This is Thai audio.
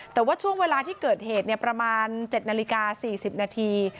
แต่ว่าช่วงเวลาที่เกิดเหตุประมาณ๗นาฬิกา๔๐นาที